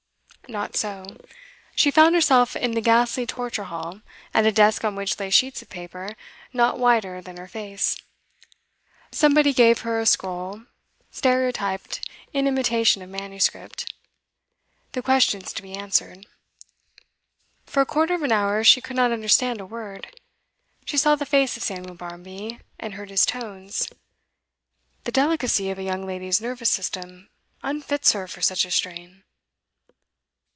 Not so. She found herself in the ghastly torture hall, at a desk on which lay sheets of paper, not whiter than her face. Somebody gave her a scroll, stereotyped in imitation of manuscript the questions to be answered. For a quarter of an hour she could not understand a word. She saw the face of Samuel Barmby, and heard his tones 'The delicacy of a young lady's nervous system unfits her for such a strain.